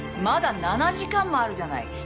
まだ７時間もあるじゃない。